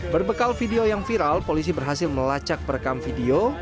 berbekal video yang viral polisi berhasil melacak perekam video